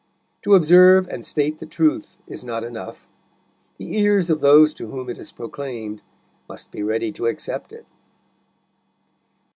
To observe and state the truth is not enough. The ears of those to whom it is proclaimed must be ready to accept it.